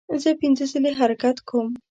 زه پنځه ځلې حرکت کوم.